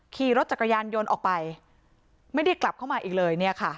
ขี่รถจักรยานยนต์ออกไปไม่ได้กลับเข้ามาอีกเลยเนี่ยค่ะ